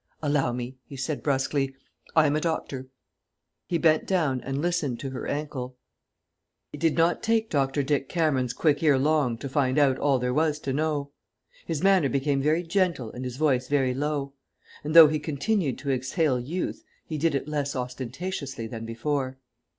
"Allow me," he said brusquely; "I am a doctor." He bent down and listened to her ankle. It did not take Dr. Dick Cameron's quick ear long to find out all there was to know. His manner became very gentle and his voice very low; and, though he continued to exhale youth, he did it less ostentatiously than before.